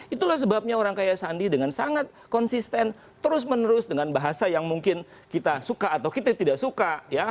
itulah sebabnya orang kaya sandi dengan sangat konsisten terus menerus dengan bahasa yang mungkin kita suka atau kita tidak suka